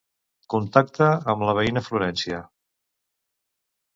Contacta amb la veïna Florència.